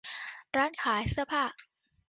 ร้านขายเสื้อผ้า